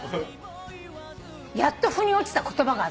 やっとふに落ちた言葉があったの。